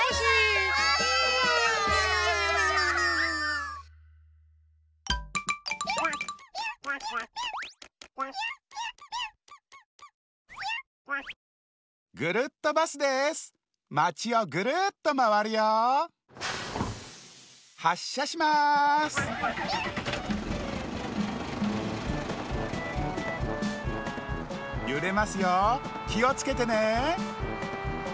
きをつけてね。